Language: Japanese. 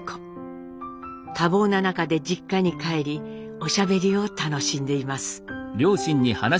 多忙な中で実家に帰りおしゃべりを楽しんでいます。